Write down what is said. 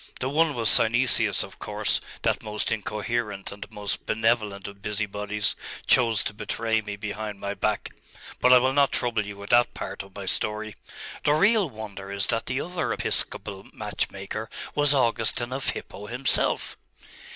The one was Synesius of course; that most incoherent and most benevolent of busybodies chose to betray me behind my back: but I will not trouble you with that part of my story. The real wonder is that the other episcopal match maker was Augustine of Hippo himself!